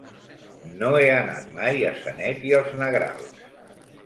No he anat mai a Sanet i els Negrals.